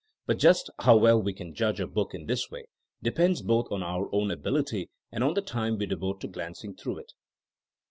But just how well we can judge a book in this way depends both on our own ability and on the time we devote to glanc ing through it.